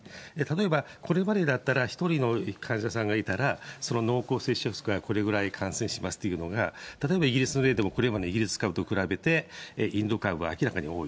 例えば、これまでだったら、１人の患者さんがいたら、濃厚接触者からこれぐらい感染しますというのが、たとえばイギリスの例でも、これまでのイギリス株と比べてインド株は明らかに多い。